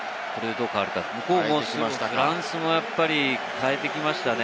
フランスも代えてきましたね。